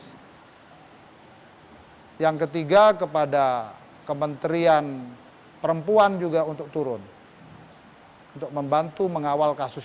yang ketiga kepada kementerian perempuan juga untuk turun untuk membantu mengawal kasus